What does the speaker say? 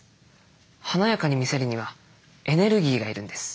華やかに見せるにはエネルギーがいるんです。